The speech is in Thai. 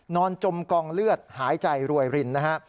จมกองเลือดหายใจรวยรินนะฮะ